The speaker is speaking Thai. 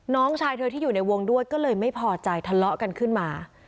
น้องชายเธอที่อยู่ในวงด้วยก็เลยไม่พอใจทะเลาะกันขึ้นมา